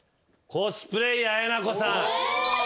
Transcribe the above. コスプレイヤーえなこさん。